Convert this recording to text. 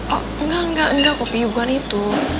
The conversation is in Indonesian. oh enggak enggak enggak kopi iguan itu